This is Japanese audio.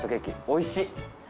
おいしい！